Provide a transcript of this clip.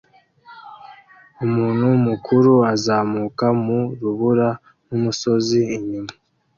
Umuntu mukuru azamuka mu rubura n'umusozi inyuma